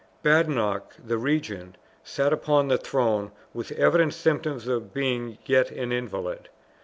Badenoch, the regent, sat upon the throne, with evident symptoms of being yet an invalid.